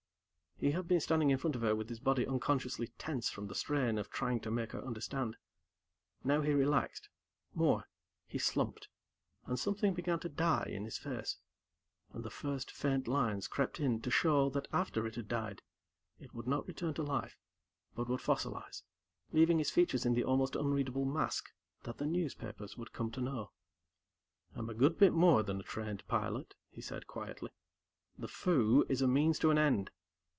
He had been standing in front of her with his body unconsciously tense from the strain of trying to make her understand. Now he relaxed more he slumped and something began to die in his face, and the first faint lines crept in to show that after it had died, it would not return to life, but would fossilize, leaving his features in the almost unreadable mask that the newspapers would come to know. "I'm a good bit more than a trained pilot," he said quietly. "The Foo Is a means to an end.